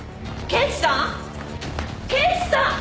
刑事さん？